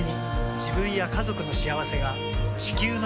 自分や家族の幸せが地球の幸せにつながっている。